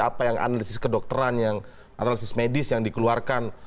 apa yang analisis kedokteran yang analisis medis yang dikeluarkan